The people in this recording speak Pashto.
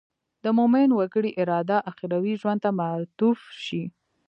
د مومن وګړي اراده اخروي ژوند ته معطوف شي.